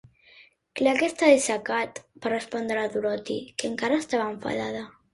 "Clar que està dissecat", va respondre la Dorothy, que encara estava enfadada.